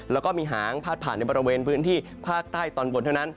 แล้วก็มีหางพาดผ่านในบริเวณพื้นที่ภาคใต้ตอนบนเท่านั้น